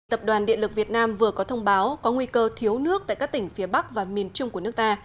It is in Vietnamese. tập đoàn điện lực việt nam vừa có thông báo có nguy cơ thiếu nước tại các tỉnh phía bắc và miền trung của nước ta